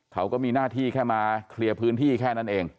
เขาก็มีหน้าที่แค่มาเคลียร์พื้นที่แค่นั้นเอง